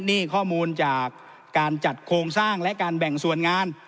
นี่ข้อมูลจากการจัดโครงสร้างและการแบ่งส่วนงาน